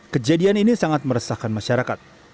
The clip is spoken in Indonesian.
kejadian ini sangat meresahkan masyarakat